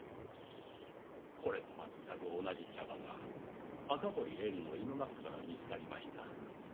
これと全く同じ茶葉が赤堀絵里の胃の中から見つかりました。